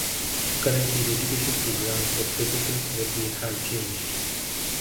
Currently the education programs for physical therapy have changed.